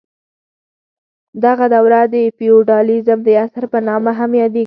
دغه دوره د فیوډالیزم د عصر په نامه هم یادیږي.